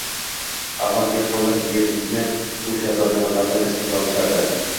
Avval dehqonlar yerni o‘sha zodagonlardan ijaraga olishardi